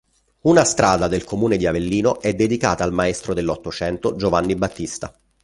Una strada del Comune di Avellino è dedicata al maestro dell'Ottocento Giovanni Battista.